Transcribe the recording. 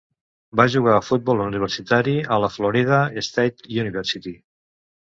Va jugar a futbol universitari a la Florida State University.